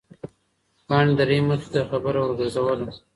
پاڼې د رحیم مخې ته خبره ورګرځوله.